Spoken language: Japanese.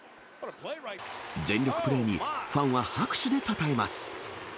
全力プレーに、ファンは拍手でたたえます。